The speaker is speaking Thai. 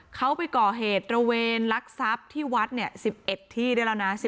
เขาไปก่อเหตุระเวนรักษัพที่วัดเนี่ย๑๑ที่นะแล้วนะ